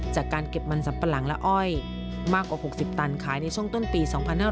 จากการเก็บมันสัมปะหลังและอ้อยมากกว่า๖๐ตันขายในช่วงต้นปี๒๕๕๙